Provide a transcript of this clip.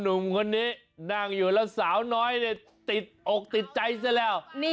หนุ่มคนนี้นั่งอยู่แล้วสาวน้อยเนี่ยติดอกติดใจซะแล้ว